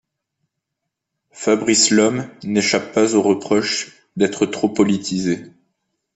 Fabrice Lhomme n'échappe pas au reproche d'être trop politisé.